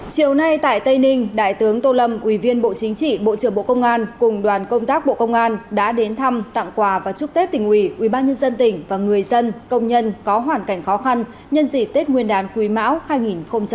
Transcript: chiều nay tại tây ninh đại tướng tô lâm ủy viên bộ chính trị bộ trưởng bộ công an cùng đoàn công tác bộ công an đã đến thăm tặng quà và chúc tết tỉnh ủy ubnd tỉnh và người dân công nhân có hoàn cảnh khó khăn nhân dịp tết nguyên đán quý mão hai nghìn hai mươi bốn